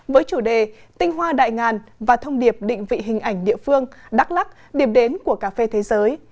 với chủ đề tinh hoa đại ngàn và thông điệp định vị hình ảnh địa phương đắk lắc điểm đến của cà phê thế giới